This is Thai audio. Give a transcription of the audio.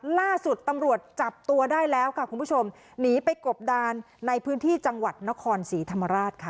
ล่าสุดตำรวจจับตัวได้แล้วค่ะคุณผู้ชมหนีไปกบดานในพื้นที่จังหวัดนครศรีธรรมราชค่ะ